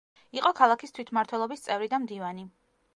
იყო ქალაქის თვითმმართველობის წევრი და მდივანი.